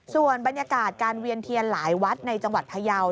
ส่วนบรรยากาศการเวียนเทียนหลายวัดในจังหวัดพยาว